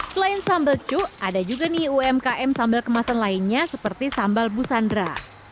selain sambal cu ada juga nih umkm sambal kemasan lainnya seperti sambal busandra